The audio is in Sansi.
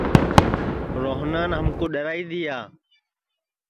روہنان ہمکُو ڈؔرائی دؔیا